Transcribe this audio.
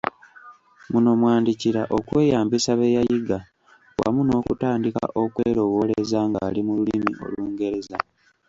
Muno mw’andikira okweyambisa bye yayiga wamu n’okutandika okwelowooleza ng’ali mu lulimi olungereza.